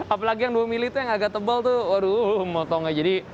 apalagi yang dua mili itu yang agak tebal tuh waduh mau tau nggak jadi